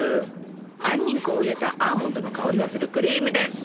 杏仁粉を入れたアーモンドの香りがするクリームです。